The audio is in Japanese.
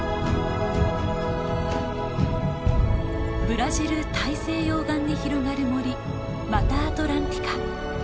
ブラジル大西洋岸に広がる森マタアトランティカ。